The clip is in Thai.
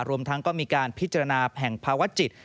รวมทั้งก็มีการพิจารณาแผ่งภาวะจิต